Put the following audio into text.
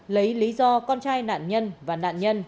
lấy lý do con trai nạn nhân và nạn nhân